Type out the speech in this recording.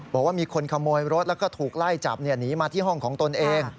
บอกว่ามีคนขโมยรถแล้วก็ถูกไล่จับหนีมาที่ห้องของตนเอง